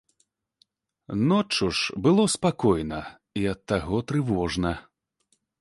Ноччу ж было спакойна і ад таго трывожна.